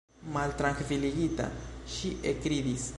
Maltrankviligita, ŝi ekridis.